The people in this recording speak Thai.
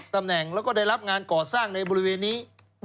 ตำแหน่งแล้วก็ได้รับงานก่อสร้างในบริเวณนี้